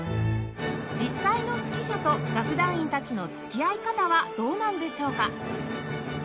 実際の指揮者と楽団員たちの付き合い方はどうなんでしょうか？